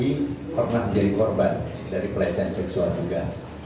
ini pernah menjadi korban dari pelecehan seksual juga